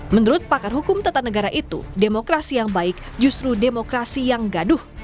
menurut pakar hukum tata negara itu demokrasi yang baik justru demokrasi yang gaduh